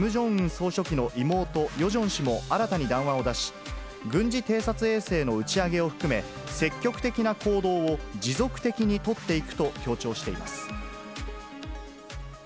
総書記の妹、ヨジョン氏も新たに談話を出し、軍事偵察衛星の打ち上げを含め、積極的な行動を持続的に取っていくと強調しています。